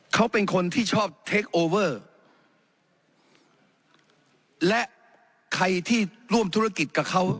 เขาเป็นคนที่ชอบเทคโอเวอร์และใครที่ร่วมธุรกิจกับเขา